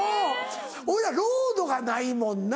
俺はロードがないもんな。